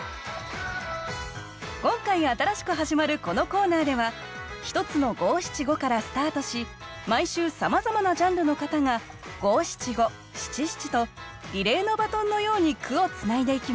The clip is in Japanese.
今回新しく始まるこのコーナーでは１つの５７５からスタートし毎週さまざまなジャンルの方が５７５７７とリレーのバトンのように句をつないでいきます。